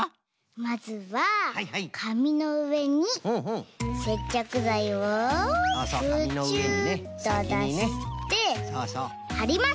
まずはかみのうえにせっちゃくざいをブチュっとだしてはります！